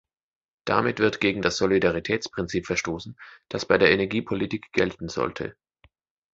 Damit wird gegen das Solidaritätsprinzip verstoßen, das bei der Energiepolitik gelten sollte.